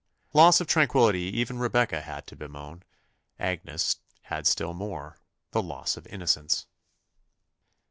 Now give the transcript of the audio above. Loss of tranquillity even Rebecca had to bemoan: Agnes had still more the loss of innocence!